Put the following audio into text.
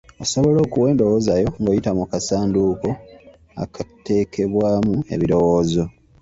Osobola okuwa endowooza yo ng'oyita mu kasanduuko akatekebwamu ebirowoozo.